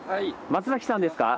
松崎さんですか？